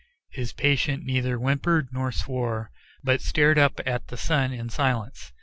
His patient neither whimpered nor swore, but stared up at the sun in silence.